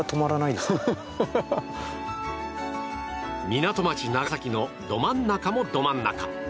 港町・長崎のど真ん中もど真ん中。